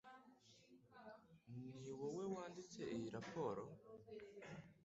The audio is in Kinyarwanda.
Niwowe wanditse iyo raporo?